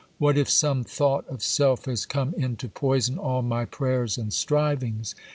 What if some thought of self has come in to poison all my prayers and strivings?